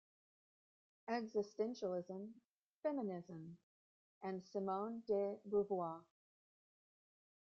"Existentialism, Feminism and Simone De Beauvoir".